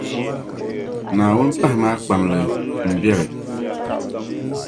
Naawuni pahimi a kpamli m biɛli.